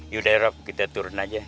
yaudah rob kita turun aja